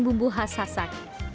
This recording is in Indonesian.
bumbu khas sasak